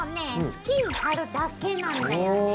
好きに貼るだけなんだよね。